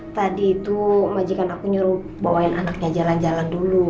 tadi itu majikan aku nyuruh bawain anaknya jalan jalan dulu